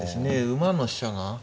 馬の飛車が。